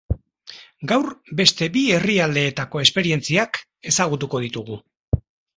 Gaur, beste bi herrialdeetako esperientziak ezagutuko ditugu.